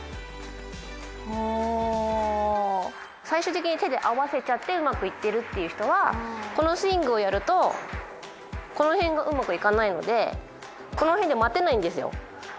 最終的に手で合わせちゃってうまくいってるっていう人はこのスイングをやるとこのへんがうまくいかないのでこのへんで待てないんですよ。